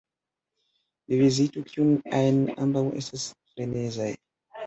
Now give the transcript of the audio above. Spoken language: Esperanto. Vi vizitu kiun ajn; ambaŭ estas frenezaj.